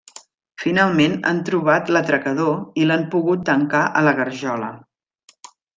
Finalment han trobat l'atracador i l'han pogut tancar a la garjola.